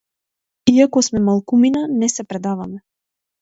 Иако сме малкумина не се предаваме.